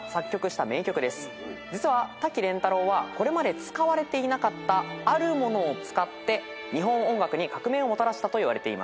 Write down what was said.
実は滝廉太郎はこれまで使われていなかったあるものを使って日本音楽に革命をもたらしたといわれています。